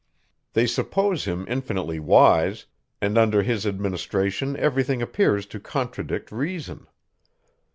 They suppose him infinitely wise; and under his administration everything appears to contradict reason.